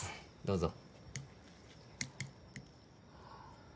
どうぞ。